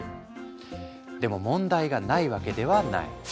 でも問題がないわけではない。